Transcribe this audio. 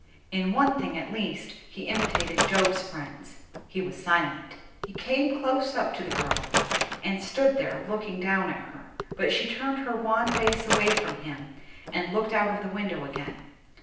In one thing at least he imitated Job's friends; he was silent. He came close up to the girl and stood there, looking down at her. But she turned her wan face away from him and looked out of the window again.